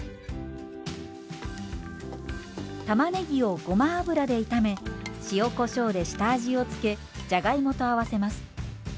たまねぎをごま油で炒め塩こしょうで下味を付けじゃがいもと合わせます。